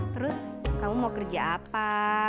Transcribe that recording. terus kamu mau kerja apa